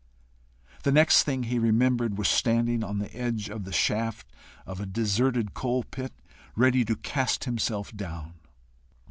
The next thing he remembered was standing on the edge of the shaft of a deserted coalpit, ready to cast himself down.